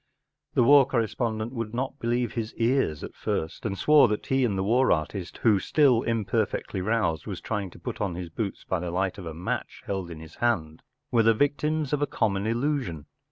The war corre¬ spondent would not believe his ears at first, and swore that he and the war artist, who, still imperfectly roused, was trying to put on his boots by the light of a match held in his hand, were the victims of a common illusion.